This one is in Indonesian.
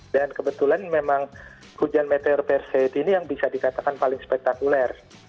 dan kebetulan memang hujan meteor perseit ini yang bisa dikatakan paling spektakuler